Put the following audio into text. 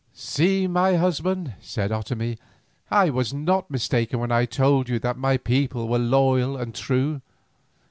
"See, my husband," said Otomie, "I was not mistaken when I told you that my people were loyal and true.